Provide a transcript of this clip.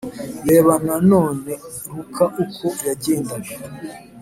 Reba nanone Luka uko yagendaga